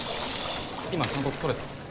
今のちゃんと撮れた？